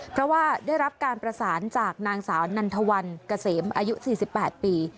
เพราะว่าได้รับการประสานจากนางสาวนันทวันเกษมอายุ๔๘ปี